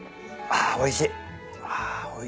あおいしいな。